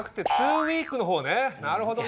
なるほどね！